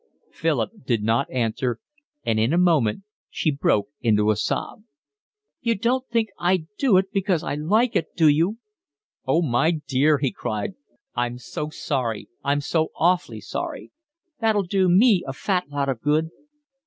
Philip did not answer, and in a moment she broke into a sob. "You don't think I do it because I like it, do you?" "Oh, my dear," he cried. "I'm so sorry, I'm so awfully sorry." "That'll do me a fat lot of good."